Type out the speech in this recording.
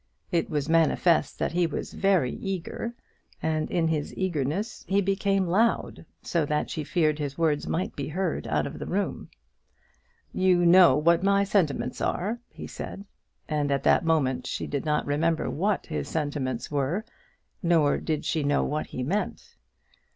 It was manifest that he was very eager, and in his eagerness he became loud, so that she feared his words might be heard out of the room. "You know what my sentiments are," he said. At that moment she did not remember what his sentiments were, nor did she know what he meant.